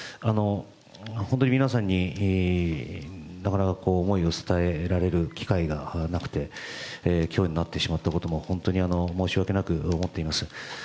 本当に皆さんになかなか思いを伝えられる機会がなくて今日になってしまったことも、本当に申し訳なく思っております。